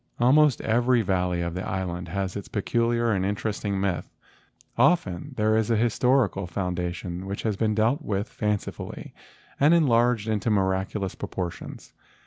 Almost every valley of the island has its peculiar and interesting myth. Often there is a historical foundation which has been dealt with fancifully and enlarged into miraculous propor¬ tions.